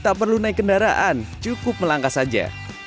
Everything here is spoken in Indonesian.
tak perlu naik kendaraan cukup melangkah saja